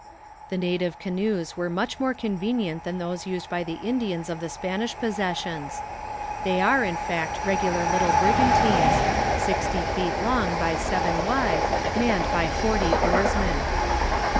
The native canoes are much more convenient than those used by the Indians of the Spanish possessions. They are in fact regular little brigantines, sixty feet long by seven wide, manned by forty oarsmen.